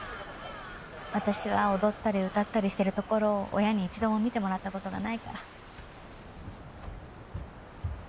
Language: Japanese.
私は踊ったり歌ったりしてるところを親に一度も見てもらったことがないから。